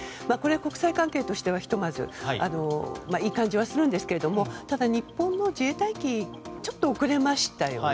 国際関係としてはひとまずいい感じはするんですがただ日本の自衛隊機ちょっと遅れましたよね。